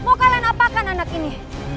mau kalian apakan anak ini